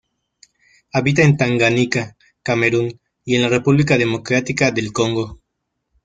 Habita en Tanganica, Camerún y en la República Democrática del Congo.